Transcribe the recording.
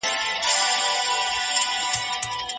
خاموشي به پای ته ورسېږي.